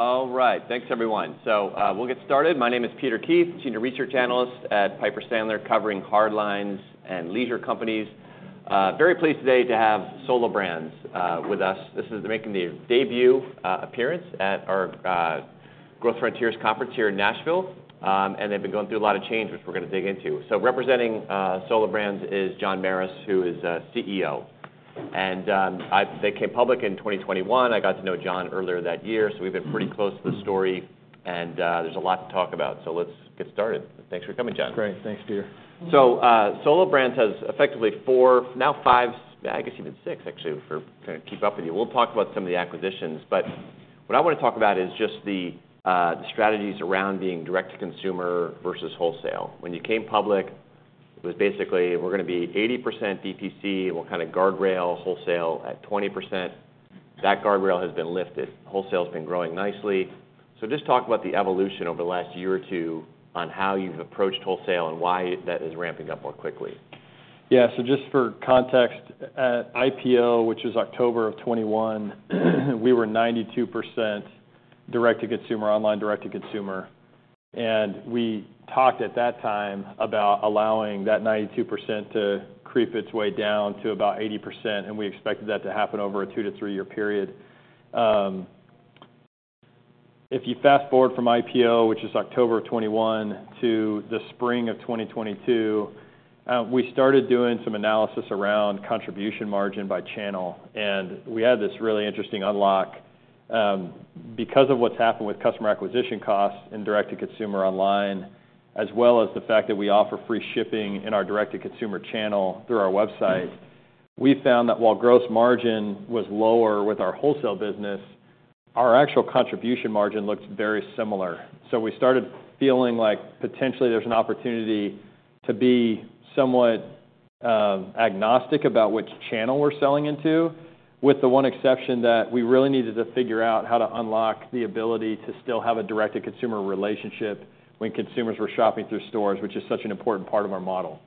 All right, thanks, everyone. So we'll get started. My name is Peter Keith, Senior Research Analyst at Piper Sandler, covering hardlines and leisure companies. Very pleased today to have Solo Brands with us. This is making the debut appearance at our Growth Frontiers Conference here in Nashville. And they've been going through a lot of change, which we're gonna dig into. So representing Solo Brands is John Merris, who is CEO. And they came public in 2021. I got to know John earlier that year, so we've been pretty close to the story, and there's a lot to talk about. So let's get started. Thanks for coming, John. Great. Thanks, Peter. So, Solo Brands has effectively four, now five, I guess even six, actually, if we're trying to keep up with you. We'll talk about some of the acquisitions, but what I wanna talk about is just the, the strategies around being direct-to-consumer versus wholesale. When you came public, it was basically, we're gonna be 80% DTC, and we'll kind of guardrail wholesale at 20%. That guardrail has been lifted. Wholesale has been growing nicely. So just talk about the evolution over the last year or two on how you've approached wholesale and why that is ramping up more quickly. Yeah, so just for context, at IPO, which was October of 2021, we were 92% direct-to-consumer, online direct-to-consumer, and we talked at that time about allowing that 92% to creep its way down to about 80%, and we expected that to happen over a two to three year period. If you fast forward from IPO, which is October of 2021, to the spring of 2022, we started doing some analysis around contribution margin by channel, and we had this really interesting unlock. Because of what's happened with customer acquisition costs and direct-to-consumer online, as well as the fact that we offer free shipping in our direct-to-consumer consumer channel through our website, we found that while gross margin was lower with our wholesale business, our actual contribution margin looked very similar. So we started feeling like potentially there's an opportunity to be somewhat agnostic about which channel we're selling into, with the one exception that we really needed to figure out how to unlock the ability to still have a direct-to-consumer relationship when consumers were shopping through stores, which is such an important part of our model.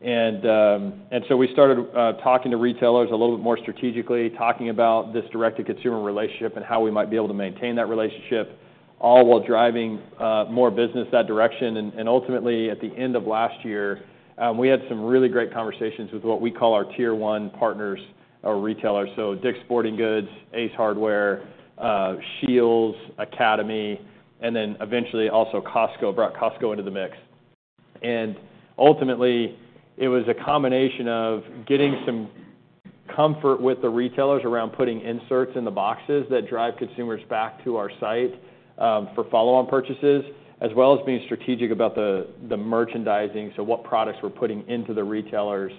And so we started talking to retailers a little bit more strategically, talking about this direct-to-consumer relationship and how we might be able to maintain that relationship, all while driving more business that direction. And ultimately, at the end of last year, we had some really great conversations with what we call our tier one partners or retailers. So Dick's Sporting Goods, Ace Hardware, Scheels, Academy, and then eventually, also Costco, brought Costco into the mix. And ultimately, it was a combination of getting some comfort with the retailers around putting inserts in the boxes that drive consumers back to our site for follow-on purchases, as well as being strategic about the merchandising, so what products we're putting into the retailers,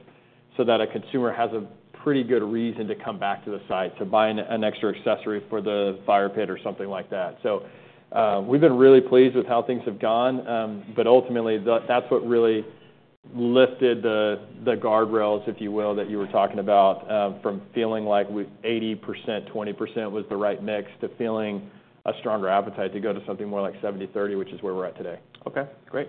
so that a consumer has a pretty good reason to come back to the site to buy an extra accessory for the fire pit or something like that. So, we've been really pleased with how things have gone, but ultimately, that's what really lifted the guardrails, if you will, that you were talking about, from feeling like we 80%-20% was the right mix, to feeling a stronger appetite to go to something more like 70-30, which is where we're at today. Okay, great.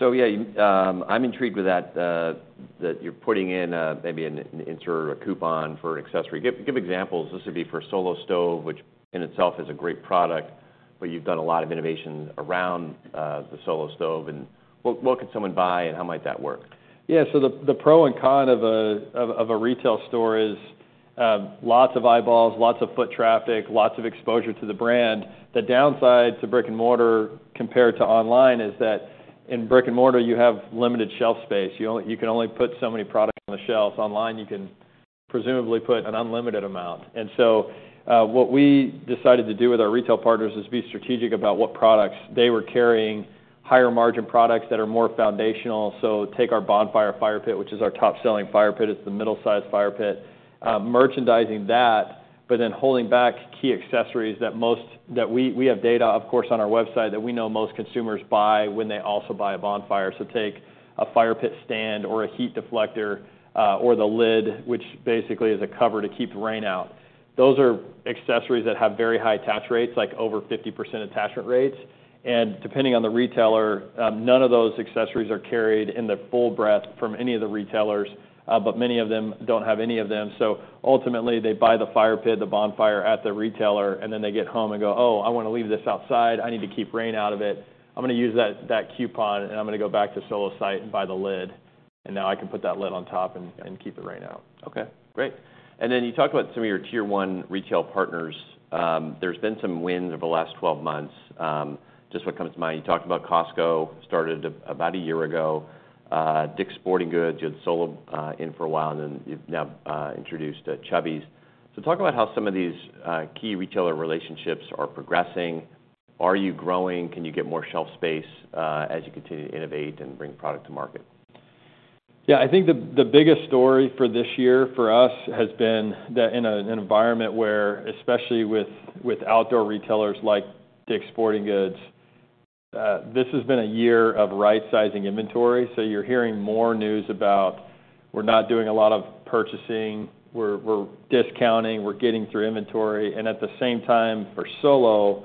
So yeah, I'm intrigued with that that you're putting in, maybe an insert or a coupon for an accessory. Give examples. This would be for Solo Stove, which in itself is a great product, but you've done a lot of innovation around the Solo Stove. And what can someone buy, and how might that work? Yeah, so the pro and con of a retail store is lots of eyeballs, lots of foot traffic, lots of exposure to the brand. The downside to brick-and-mortar compared to online is that in brick-and-mortar, you have limited shelf space. You can only put so many products on the shelves. Online, you can presumably put an unlimited amount. And so, what we decided to do with our retail partners is be strategic about what products they were carrying, higher-margin products that are more foundational. So take our Bonfire fire pit, which is our top-selling fire pit, it's the middle-sized fire pit, merchandising that, but then holding back key accessories that we have data, of course, on our website, that we know most consumers buy when they also buy a Bonfire. So take a fire pit stand or a Heat Deflector, or the lid, which basically is a cover to keep the rain out. Those are accessories that have very high attach rates, like over 50% attachment rates. And depending on the retailer, none of those accessories are carried in the full breadth from any of the retailers, but many of them don't have any of them. So ultimately, they buy the fire pit, the Bonfire at the retailer, and then they get home and go, "Oh, I want to leave this outside. I need to keep rain out of it. I'm gonna use that coupon, and I'm gonna go back to Solo site and buy the lid, and now I can put that lid on top and keep the rain out. Okay, great. And then you talked about some of your tier one retail partners. There's been some wins over the last 12 months. Just what comes to mind, you talked about Costco, started about a year ago. Dick's Sporting Goods, you had Solo in for a while, and then you've now introduced Chubbies. So talk about how some of these key retailer relationships are progressing. Are you growing? Can you get more shelf space as you continue to innovate and bring product to market? Yeah, I think the biggest story for this year for us has been that in an environment where, especially with outdoor retailers like Dick's Sporting Goods, this has been a year of right-sizing inventory. So you're hearing more news about: "We're not doing a lot of purchasing, we're discounting, we're getting through inventory." And at the same time, for Solo,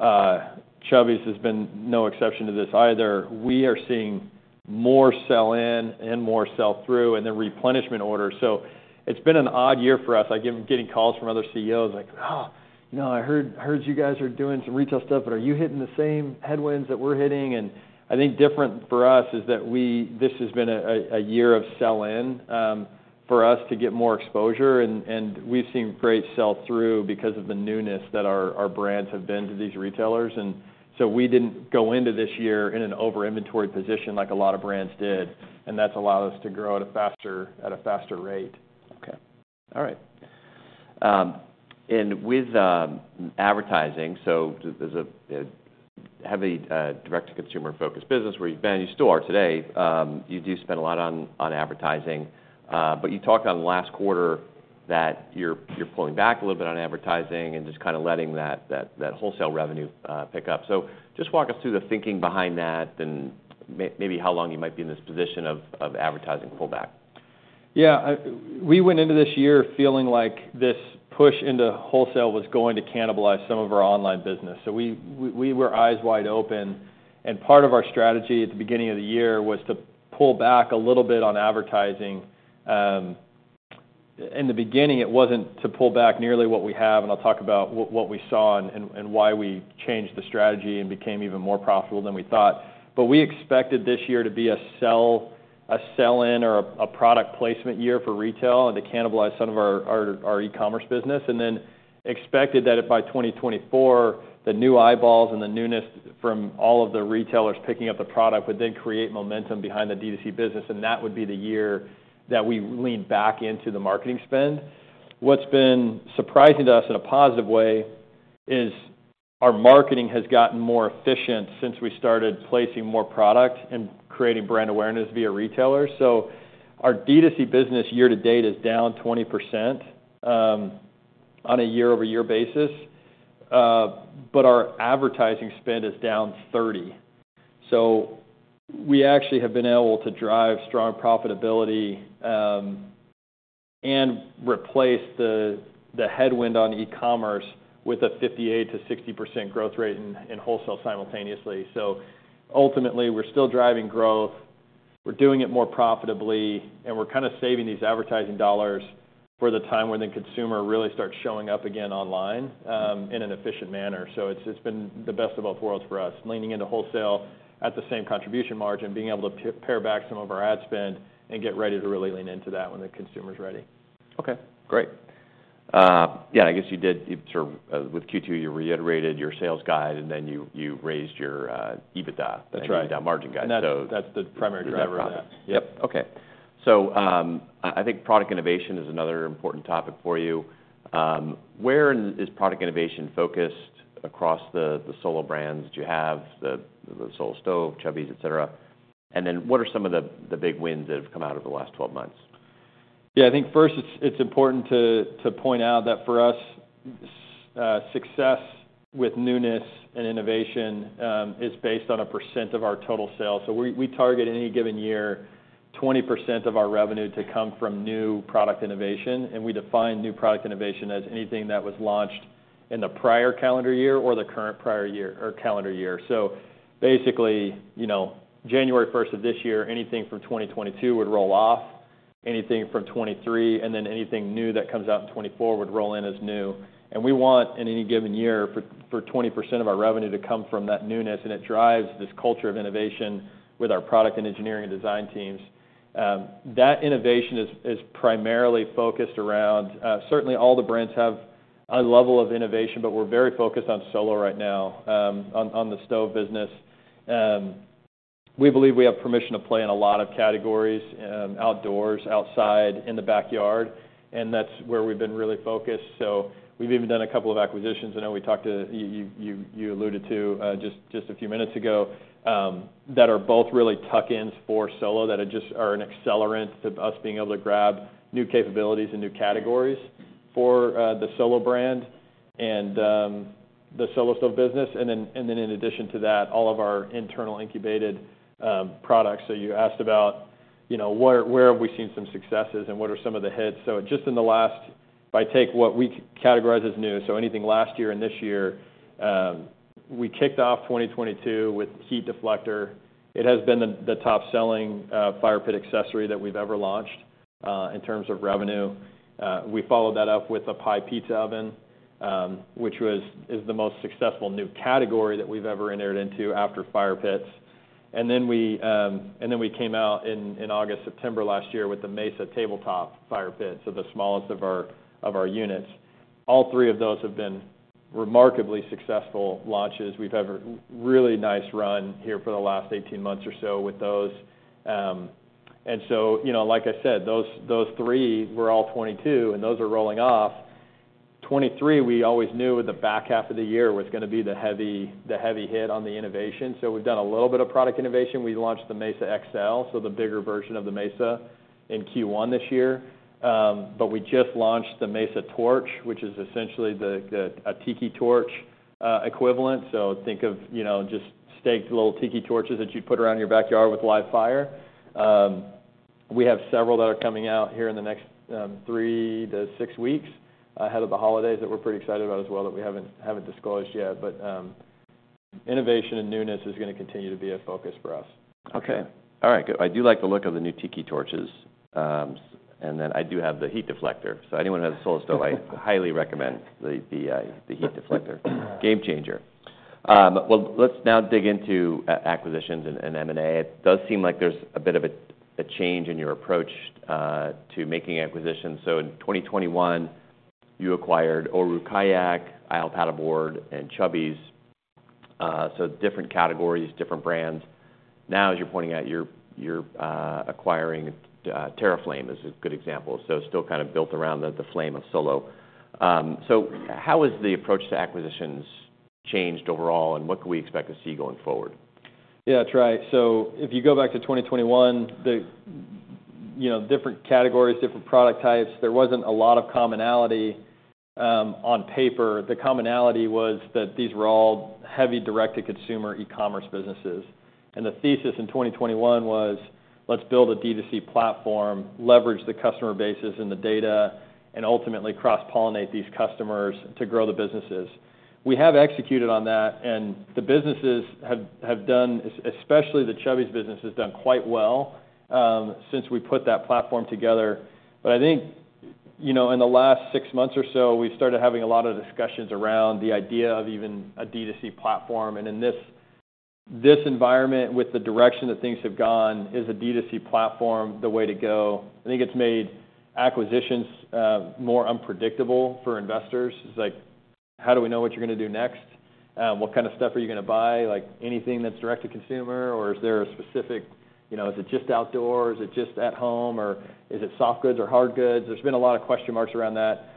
Chubbies has been no exception to this either. We are seeing more sell-in and more sell-through in the replenishment order. So it's been an odd year for us. Getting calls from other CEOs like, "Oh, you know, I heard you guys are doing some retail stuff, but are you hitting the same headwinds that we're hitting?" And I think different for us is that this has been a year of sell-in for us to get more exposure, and we've seen great sell-through because of the newness that our brands have been to these retailers. And so we didn't go into this year in an over-inventory position like a lot of brands did, and that's allowed us to grow at a faster rate. Okay. All right. And with advertising, so there's a heavy direct-to-consumer-focused business where you've been, you still are today. You do spend a lot on advertising, but you talked on last quarter that you're pulling back a little bit on advertising and just kind of letting that wholesale revenue pick up. So just walk us through the thinking behind that and maybe how long you might be in this position of advertising pullback. Yeah, we went into this year feeling like this push into wholesale was going to cannibalize some of our online business. So we were eyes wide open, and part of our strategy at the beginning of the year was to pull back a little bit on advertising. In the beginning, it wasn't to pull back nearly what we have, and I'll talk about what we saw and why we changed the strategy and became even more profitable than we thought. But we expected this year to be a sell-in or a product placement year for retail, and to cannibalize some of our e-commerce business, and then expected that by 2024, the new eyeballs and the newness from all of the retailers picking up the product would then create momentum behind the D2C business, and that would be the year that we lean back into the marketing spend. What's been surprising to us in a positive way is our marketing has gotten more efficient since we started placing more product and creating brand awareness via retailers. So our D2C business year-to-date is down 20% on a year-over-year basis, but our advertising spend is down 30%. So we actually have been able to drive strong profitability, and replace the headwind on e-commerce with a 58%-60% growth rate in wholesale simultaneously. So ultimately, we're still driving growth, we're doing it more profitably, and we're kind of saving these advertising dollars for the time when the consumer really starts showing up again online, in an efficient manner. So it's been the best of both worlds for us, leaning into wholesale at the same contribution margin, being able to pare back some of our ad spend and get ready to really lean into that when the consumer's ready. Okay, great. Yeah, I guess you did sort of with Q2, you reiterated your sales guide, and then you raised your EBITDA- That's right. and EBITDA margin guide. So That's, that's the primary driver of that. Yep. Okay. So, I think product innovation is another important topic for you. Where is product innovation focused across the Solo Brands that you have, the Solo Stove, Chubbies, et cetera? And then what are some of the big wins that have come out of the last 12 months? Yeah, I think first it's important to point out that for us, success with newness and innovation is based on a percent of our total sales. So we target any given year, 20% of our revenue to come from new product innovation, and we define new product innovation as anything that was launched in the prior calendar year or the current prior-year or calendar year. So basically, you know, January first of this year, anything from 2022 would roll off, anything from 2023, and then anything new that comes out in 2024 would roll in as new. And we want, in any given year, for 20% of our revenue to come from that newness, and it drives this culture of innovation with our product and engineering and design teams. That innovation is primarily focused around certainly all the brands have a level of innovation, but we're very focused on Solo right now, on the stove business. We believe we have permission to play in a lot of categories, outdoors, outside, in the backyard, and that's where we've been really focused. So we've even done a couple of acquisitions. I know you alluded to just a few minutes ago, that are both really tuck-ins for Solo, that are just an accelerant to us being able to grab new capabilities and new categories for the Solo brand and the Solo Stove business. And then in addition to that, all of our internal incubated products. So you asked about, you know, where have we seen some successes and what are some of the hits? So just in the last. If I take what we categorize as new, so anything last year and this year, we kicked off 2022 with Heat Deflector. It has been the top-selling fire pit accessory that we've ever launched in terms of revenue. We followed that up with the Pi Pizza Oven, which is the most successful new category that we've ever entered into after fire pits. And then we came out in August, September last year with the Mesa tabletop fire pit, so the smallest of our units. All three of those have been remarkably successful launches. We've had a really nice run here for the last 18 months or so with those. And so, you know, like I said, those three were all 2022, and those are rolling off. 2023, we always knew the back half of the year was gonna be the heavy hit on the innovation. So we've done a little bit of product innovation. We launched the Mesa XL, so the bigger version of the Mesa in Q1 this year. But we just launched the Mesa Torch, which is essentially a Tiki torch equivalent. So think of, you know, just staked little Tiki torches that you'd put around your backyard with live fire. We have several that are coming out here in the next 3 weeks-6 weeks, ahead of the holidays, that we're pretty excited about as well, that we haven't disclosed yet. But innovation and newness is gonna continue to be a focus for us. Okay. All right, good. I do like the look of the new Tiki torches. And then I do have the Heat Deflector. So anyone who has a Solo Stove, I highly recommend the heat deflector. Game changer. Well, let's now dig into acquisitions and M&A. It does seem like there's a bit of a change in your approach to making acquisitions. So in 2021, you acquired Oru Kayak, Isle Paddle Board, and Chubbies. So different categories, different brands. Now, as you're pointing out, you're acquiring TerraFlame, is a good example, so still kind of built around the flame of Solo. So how has the approach to acquisitions changed overall, and what can we expect to see going forward? Yeah, that's right. So if you go back to 2021, the, you know, different categories, different product types, there wasn't a lot of commonality, on paper. The commonality was that these were all heavy direct-to-consumer e-commerce businesses. And the thesis in 2021 was, let's build a D2C platform, leverage the customer bases and the data, and ultimately cross-pollinate these customers to grow the businesses. We have executed on that, and the businesses have done, especially the Chubbies business, has done quite well, since we put that platform together. But I think, you know, in the last six months or so, we've started having a lot of discussions around the idea of even a D2C platform, and in this environment, with the direction that things have gone, is a D2C platform the way to go? I think it's made acquisitions, more unpredictable for investors. It's like, how do we know what you're gonna do next? What kind of stuff are you gonna buy? Like, anything that's direct-to-consumer, or is there a specific... You know, is it just outdoor, or is it just at home, or is it soft goods or hard goods? There's been a lot of question marks around that.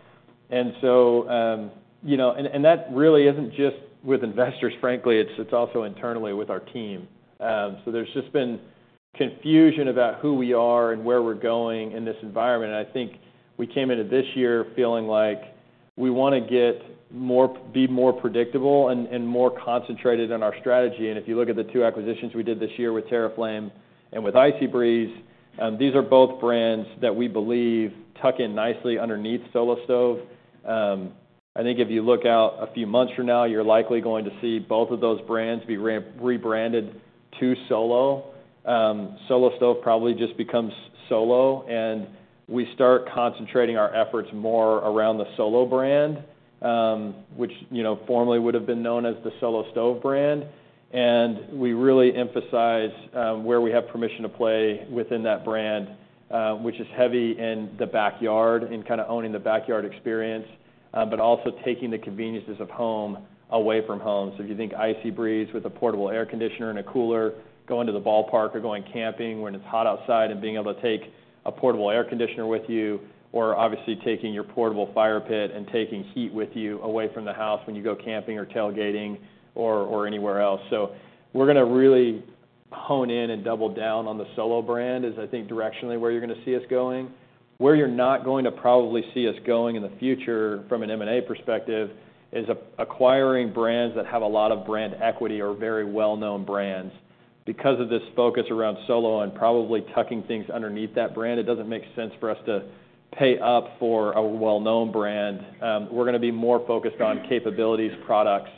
And so, you know, and that really isn't just with investors, frankly, it's also internally with our team. So there's just been confusion about who we are and where we're going in this environment, and I think we came into this year feeling like we wanna be more predictable and more concentrated on our strategy. If you look at the two acquisitions we did this year with TerraFlame and with IcyBreeze, these are both brands that we believe tuck in nicely underneath Solo Stove. I think if you look out a few months from now, you're likely going to see both of those brands be rebranded to Solo. Solo Stove probably just becomes Solo, and we start concentrating our efforts more around the Solo brand, which, you know, formerly would've been known as the Solo Stove brand. We really emphasize where we have permission to play within that brand, which is heavy in the backyard, in kind of owning the backyard experience, but also taking the conveniences of home away from home. So if you think IcyBreeze with a portable air conditioner and a cooler, going to the ballpark or going camping when it's hot outside, and being able to take a portable air conditioner with you, or obviously taking your portable fire pit and taking heat with you away from the house when you go camping or tailgating or anywhere else. So we're gonna really hone in and double down on the Solo brand, is I think, directionally, where you're gonna see us going. Where you're not going to probably see us going in the future from an M&A perspective, is acquiring brands that have a lot of brand equity or very well-known brands. Because of this focus around Solo and probably tucking things underneath that brand, it doesn't make sense for us to pay up for a well-known brand. We're gonna be more focused on capabilities, products.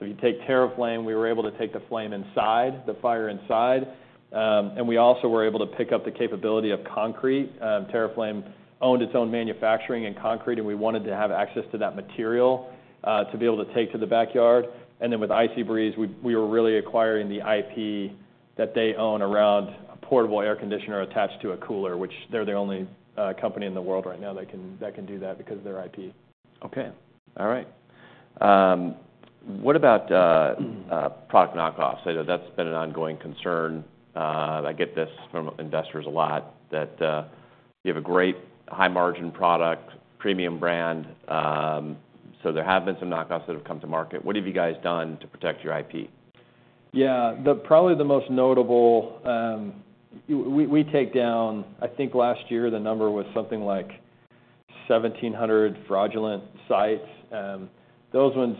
So if you take TerraFlame, we were able to take the flame inside, the fire inside, and we also were able to pick up the capability of concrete. TerraFlame owned its own manufacturing and concrete, and we wanted to have access to that material, to be able to take to the backyard. And then with IcyBreeze, we were really acquiring the IP that they own around a portable air conditioner attached to a cooler, which they're the only company in the world right now that can do that because of their IP. Okay. All right. What about product knockoffs? I know that's been an ongoing concern. I get this from investors a lot, that you have a great high-margin product, premium brand, so there have been some knockoffs that have come to market. What have you guys done to protect your IP? Yeah, probably the most notable, we take down, I think last year, the number was something like 1,700 fraudulent sites. Those ones,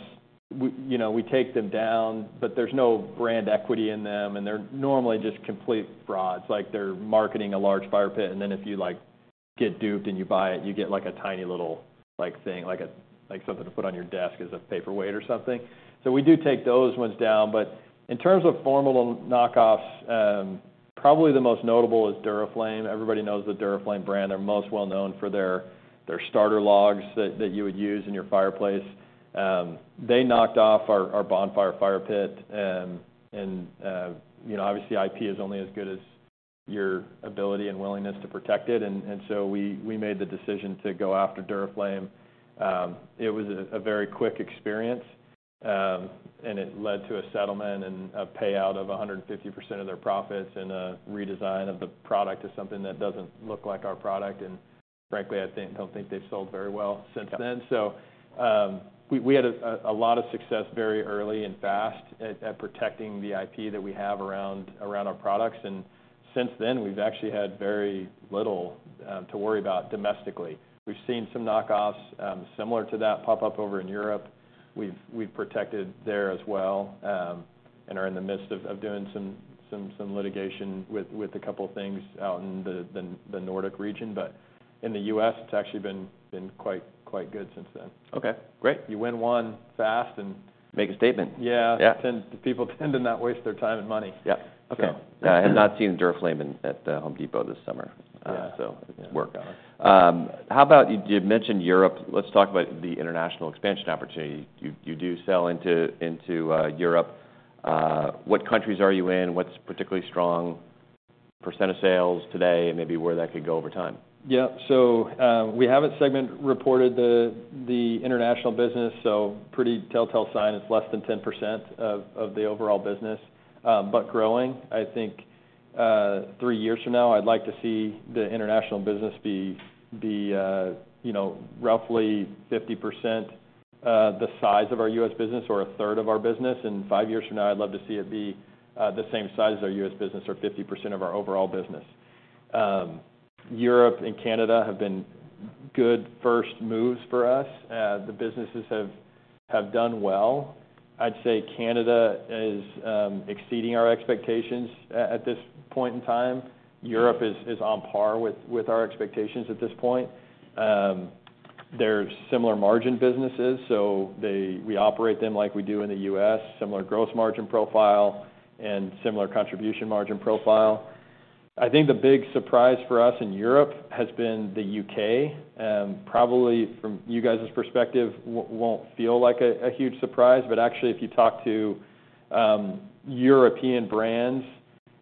you know, we take them down, but there's no brand equity in them, and they're normally just complete frauds. Like, they're marketing a large fire pit, and then if you, like, get duped and you buy it, you get, like, a tiny little, like, thing, like something to put on your desk as a paperweight or something. So we do take those ones down. But in terms of formal knockoffs, probably the most notable is Duraflame. Everybody knows the Duraflame brand. They're most well-known for their starter logs that you would use in your fireplace. They knocked off our Bonfire fire pit. And, you know, obviously, IP is only as good as your ability and willingness to protect it, and so we made the decision to go after Duraflame. It was a very quick experience, and it led to a settlement and a payout of 150% of their profits, and a redesign of the product to something that doesn't look like our product. And frankly, I don't think they've sold very well since then. So, we had a lot of success very early and fast at protecting the IP that we have around our products, and since then, we've actually had very little to worry about domestically. We've seen some knockoffs, similar to that pop up over in Europe.... We've protected there as well, and are in the midst of doing some litigation with a couple of things out in the Nordic region. But in the U.S., it's actually been quite good since then. Okay, great. You win one fast, and- Make a statement. Yeah. Yeah. People tend to not waste their time and money. Yep. Okay. I have not seen Duraflame at the Home Depot this summer. Yeah. So it's worked out. How about, you mentioned Europe. Let's talk about the international expansion opportunity. You do sell into Europe. What countries are you in? What's particularly strong percent of sales today, and maybe where that could go over time? Yeah. So, we haven't segment reported the international business, so pretty telltale sign it's less than 10% of the overall business, but growing. I think, three years from now, I'd like to see the international business be, you know, roughly 50%, the size of our U.S. business or a third of our business. And five years from now, I'd love to see it be, the same size as our U.S. business or 50% of our overall business. Europe and Canada have been good first moves for us. The businesses have done well. I'd say Canada is exceeding our expectations at this point in time. Europe is on par with our expectations at this point. They're similar margin businesses, so we operate them like we do in the U.S., similar gross margin profile and similar contribution margin profile. I think the big surprise for us in Europe has been the U.K., probably from you guys' perspective, won't feel like a huge surprise. But actually, if you talk to European brands,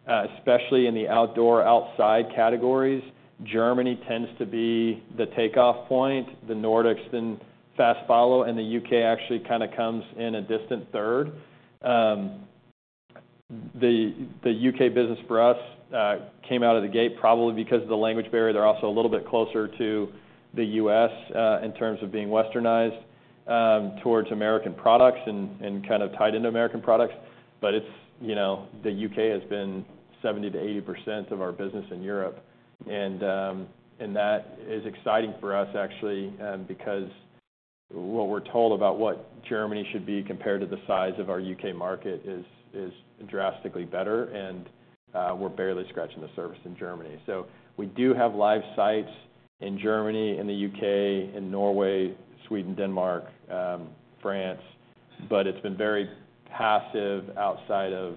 especially in the outdoor, outside categories, Germany tends to be the takeoff point, the Nordics then fast follow, and the U.K. actually kinda comes in a distant third. The U.K. business for us came out of the gate, probably because of the language barrier. They're also a little bit closer to the U.S., in terms of being Westernized, towards American products and kind of tied into American products. But it's, you know, the UK has been 70%-80% of our business in Europe, and that is exciting for us, actually, because what we're told about what Germany should be compared to the size of our UK market is drastically better, and, we're barely scratching the surface in Germany. So we do have live sites in Germany, in the UK, in Norway, Sweden, Denmark, France, but it's been very passive outside of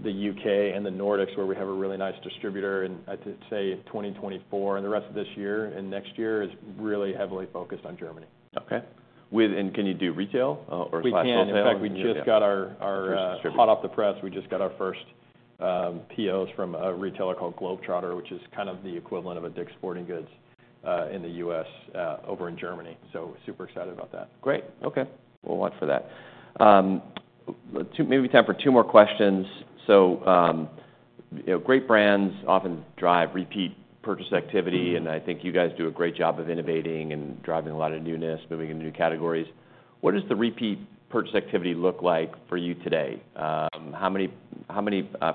the UK and the Nordics, where we have a really nice distributor. And I'd say 2024 and the rest of this year and next year is really heavily focused on Germany. Okay. And can you do retail or slash wholesale? We can. In fact, we just got our Distribution... hot off the press, we just got our first POs from a retailer called Globetrotter, which is kind of the equivalent of a Dick's Sporting Goods in the U.S. over in Germany. So super excited about that. Great. Okay, we'll watch for that. Maybe time for two more questions. So, you know, great brands often drive repeat purchase activity, and I think you guys do a great job of innovating and driving a lot of newness, moving into new categories. What does the repeat purchase activity look like for you today? How many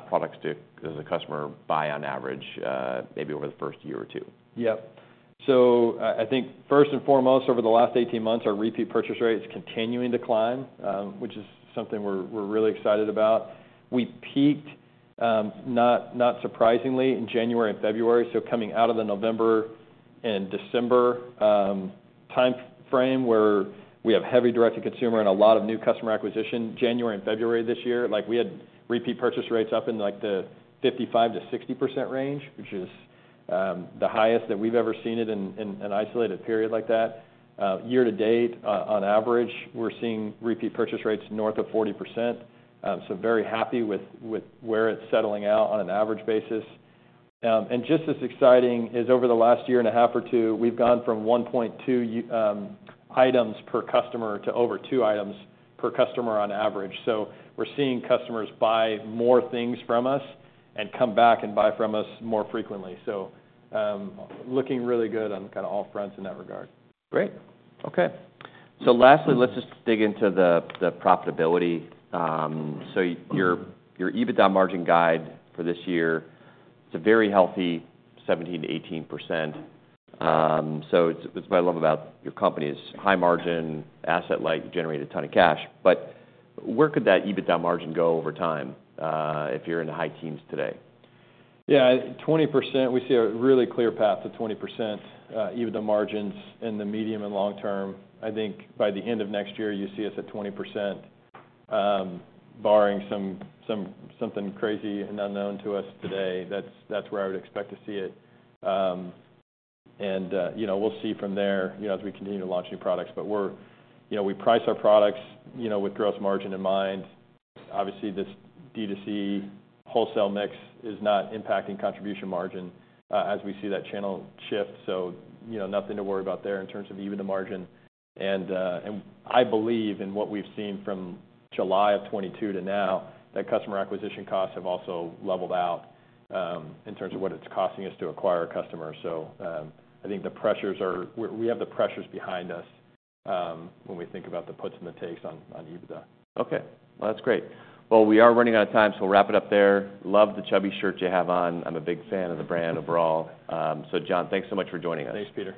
products does a customer buy on average, maybe over the first year or two? Yep. So, I think first and foremost, over the last 18 months, our repeat purchase rate is continuing to climb, which is something we're really excited about. We peaked, not surprisingly, in January and February. So coming out of the November and December timeframe, where we have heavy direct-to-consumer and a lot of new customer acquisition, January and February this year, like, we had repeat purchase rates up in, like, the 55%-60% range, which is the highest that we've ever seen it in an isolated period like that. Year-to-date, on average, we're seeing repeat purchase rates north of 40%. So very happy with where it's settling out on an average basis. And just as exciting is over the last year and a half or two, we've gone from 1.2 items per customer to over 2 items per customer on average. So we're seeing customers buy more things from us and come back and buy from us more frequently. So, looking really good on kinda all fronts in that regard. Great. Okay. So lastly, let's just dig into the profitability. So your EBITDA margin guide for this year, it's a very healthy 17%-18%. So it's what I love about your company is high margin, asset light, you generate a ton of cash. But where could that EBITDA margin go over time, if you're in the high teens today? Yeah, 20%. We see a really clear path to 20%, EBITDA margins in the medium and long term. I think by the end of next year, you'll see us at 20%, barring something crazy and unknown to us today. That's where I would expect to see it. And, you know, we'll see from there, you know, as we continue to launch new products. But we're... You know, we price our products, you know, with gross margin in mind. Obviously, this D2C wholesale mix is not impacting contribution margin, as we see that channel shift, so, you know, nothing to worry about there in terms of EBITDA margin. I believe in what we've seen from July of 2022 to now, that customer acquisition costs have also leveled out, in terms of what it's costing us to acquire a customer. I think the pressures are behind us, when we think about the puts and the takes on EBITDA. Okay. Well, that's great. Well, we are running out of time, so we'll wrap it up there. Love the Chubbies shirt you have on. I'm a big fan of the brand overall. So John, thanks so much for joining us. Thanks, Peter.